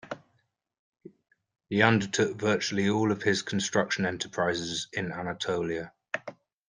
He undertook virtually all of his construction enterprises in Anatolia.